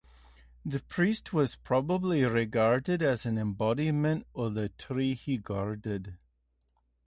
The priest was probably regarded as an embodiment of the tree he guarded.